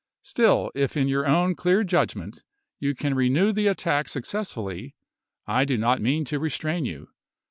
Still, if in your own clear judgment you can renew the attack successfully, I do not mean to restrain you."